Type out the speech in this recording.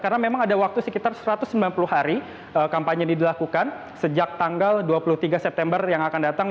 karena memang ada waktu sekitar satu ratus sembilan puluh hari kampanye yang dilakukan sejak tanggal dua puluh tiga september yang akan datang